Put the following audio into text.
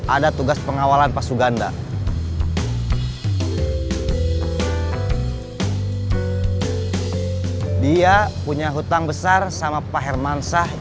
ada tugas pengawalan pak suganda